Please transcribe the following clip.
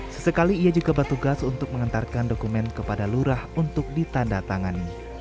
sesekali ia juga bertugas untuk mengantarkan dokumen kepada lurah untuk ditanda tangani